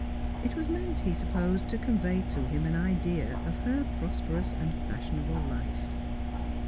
It was meant, he supposed, to convey to him an idea of her prosperous and fashionable life.